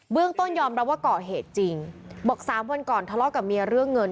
เรื่องต้นยอมรับว่าก่อเหตุจริงบอก๓วันก่อนทะเลาะกับเมียเรื่องเงิน